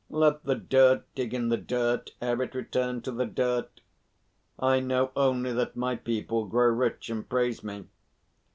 Let the dirt dig in the dirt ere it return to the dirt. I know only that my people grow rich and praise me.